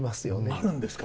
あるんですか？